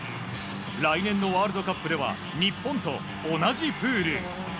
来年のワールドカップでは日本と同じプール。